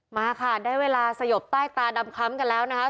มาค่ะได้เวลาสยบใต้ตาดำคล้ำกันแล้วนะคะ